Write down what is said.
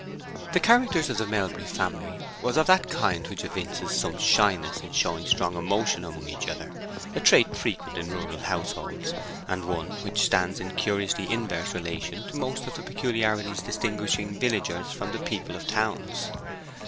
The character of the Melbury family was of that kind which evinces some shyness in showing strong emotion among each other: a trait frequent in rural households, and one which stands in curiously inverse relation to most of the peculiarities distinguishing villagers from the people of towns.